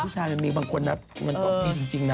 ผู้ชายมันมีบางคนนะมันต้องมีจริงนะ